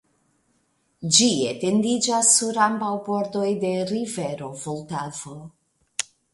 Ĝi etendiĝas sur ambaŭ bordoj de rivero Vultavo.